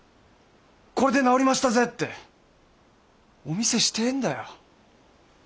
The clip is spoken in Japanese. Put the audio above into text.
「これで治りましたぜ！」ってお見せしてえんだよ。